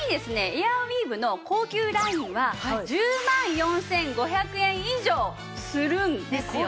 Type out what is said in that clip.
エアウィーヴの高級ラインは１０万４５００円以上するんですよ。